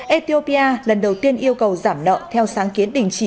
ethiopia lần đầu tiên yêu cầu giảm nợ theo sáng kiến đình chỉ